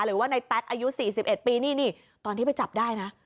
หรือว่าในแป๊กอายุสี่สิบเอ็ดปีนี่นี่ตอนที่ไปจับได้นะ